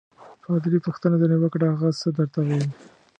پادري پوښتنه ځینې وکړه: هغه څه درته ویل؟